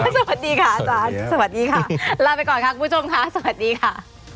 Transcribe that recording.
สวัสดีค่ะอาจารย์สวัสดีค่ะลาไปก่อนค่ะคุณผู้ชมค่ะสวัสดีค่ะ